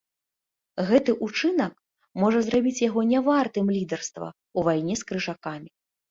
Гэты ўчынак можа зрабіць яго нявартым лідарства ў вайне з крыжакамі.